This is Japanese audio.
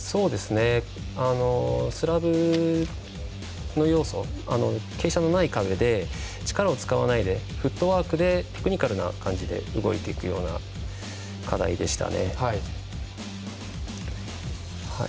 スラブの要素傾斜のない壁で力を使わないで、フットワークでテクニカルな感じで動いていく課題でしたね。